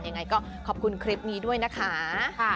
ยังไงก็ขอบคุณคลิปนี้ด้วยนะคะ